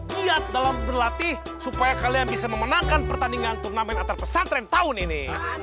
lihat dalam berlatih supaya kalian bisa memenangkan pertandingan turnamen antar pesantren tahun ini